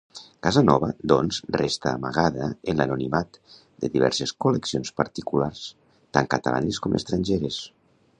Casanova doncs resta amagada en l'anonimat de diverses col·leccions particulars, tant catalanes com estrangeres.